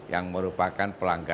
yang merupakan pelanggan